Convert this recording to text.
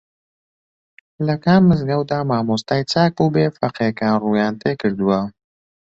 لە کام مزگەوتدا مامۆستای چاک بووبێ فەقێکان ڕوویان تێکردووە